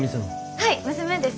はい娘です。